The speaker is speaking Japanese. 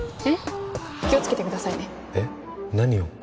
えっ何を？